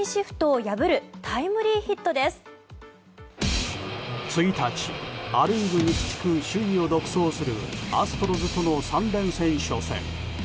１日、ア・リーグ西地区首位を独走するアストロズとの３連戦初戦。